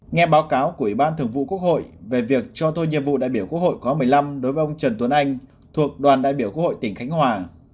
nghe báo cáo của ủy ban thường vụ quốc hội về việc cho tôi nhiệm vụ đại biểu quốc hội khóa một mươi năm đối với ông trần tuấn anh thuộc đoàn đại biểu quốc hội tỉnh khánh hòa